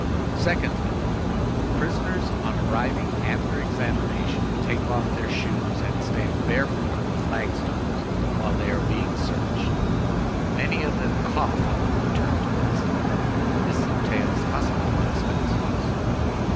"Secondly: prisoners, on arriving after examination, take off their shoes and stand barefoot on the flagstones while they are being searched. Many of them cough on their return to prison. This entails hospital expenses.